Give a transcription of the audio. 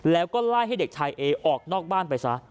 แล้วก็ไล่ให้เด็กชายเอออกนอกบ้านไปซะ